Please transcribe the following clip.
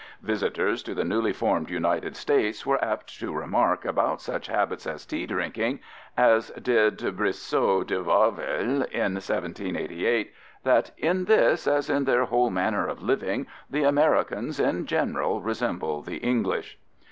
Visitors to the newly formed United States were apt to remark about such habits as tea drinking, as did Brissot de Warville in 1788, that "in this, as in their whole manner of living, the Americans in general resemble the English."